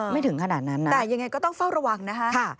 ถึงขนาดนั้นนะแต่ยังไงก็ต้องเฝ้าระวังนะคะ